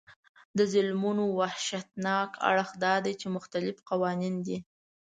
د ظلمونو وحشتناک اړخ دا دی چې مختلف قوانین دي.